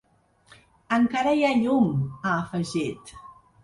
Encara hi ha llum…, ha afegit.